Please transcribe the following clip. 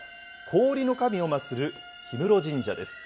氷の神を祭る氷室神社です。